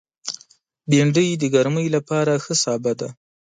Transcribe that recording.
بېنډۍ د ګرمۍ لپاره ښه سابه دی